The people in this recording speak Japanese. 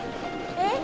えっ？